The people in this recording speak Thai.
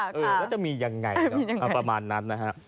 แล้วจะมียังไงประมาณนั้นนะฮะ